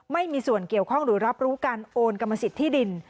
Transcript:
ไม่มีส่วนเกี่ยวข้องหรือรับรู้การโอนกรรมสิทธิ์ที่ดิน